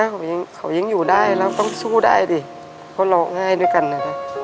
เขายังเขายังอยู่ได้แล้วต้องสู้ได้ดิเพราะเราง่ายด้วยกันน่ะ